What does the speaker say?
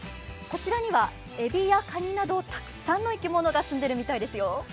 こちらにはえびやかになどたくさんの生き物が住んでいるそうです。